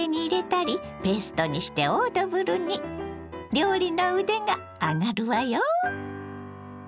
料理の腕が上がるわよ。